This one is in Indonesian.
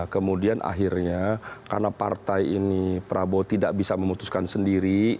kemudian akhirnya karena partai ini prabowo tidak bisa memutuskan sendiri